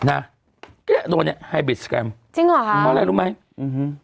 อะไรอ่ะน่ะโดยเนี้ยจริงหรอครับเพราะอะไรรู้ไหมอืมหืม